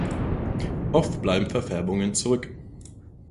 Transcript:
Oft bleiben Verfärbungen zurück.